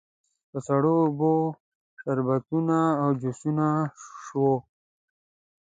په سړو اوبو، شربتونو او جوسونو شوه.